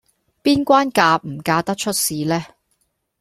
邊關嫁唔嫁得出事呢